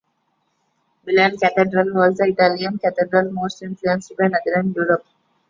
Milan Cathedral was the Italian cathedral most influenced by Northern Europe.